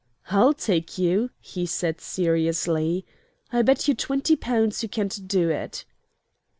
"I'll take you," he said, seriously. "I'll bet you twenty pounds you can't do it."